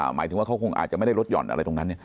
หมายถึงว่าเขาคงอาจจะไม่ได้ลดห่อนอะไรตรงนั้น